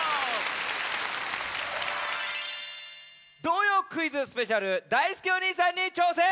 「童謡クイズスペシャルだいすけお兄さんに挑戦！」。